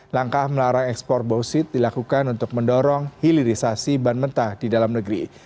langkah melarang ekspor bausit dilakukan untuk mendorong hilirisasi ban mentah di dalam negeri